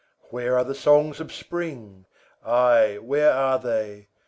3. Where are the songs of Spring? Ay, where are they?